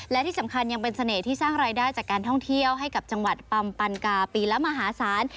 และที่สำคัญยังเป็นเสน่ห์ที่สร้างรายได้จากการท่องเที่ยวให้กับจังหวัดปัมปันกาปีละมหาศาล